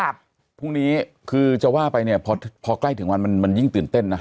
พรุ่งนี้คือจะว่าไปเนี่ยพอพอใกล้ถึงวันมันมันยิ่งตื่นเต้นนะ